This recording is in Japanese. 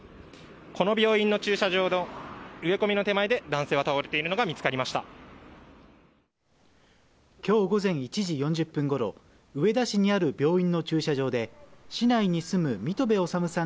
この病院の駐車場の植え込みの手前で男性が倒れているのが見つかきょう午前１時４０分ごろ、上田市にある病院の駐車場で、市内に住む三戸部治さん